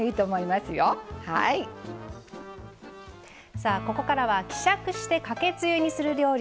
さあここからは希釈してかけつゆにする料理です。